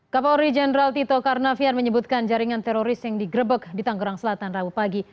kapolri jenderal tito karnavian menyebutkan jaringan teroris yang digrebek di tanggerang selatan rabu pagi